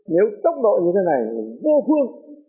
nếu tốc độ như thế này vô phương